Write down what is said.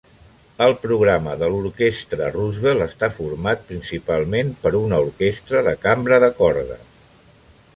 El programa de l'orquestra Roosevelt està format principalment per una orquestra de cambra de corda.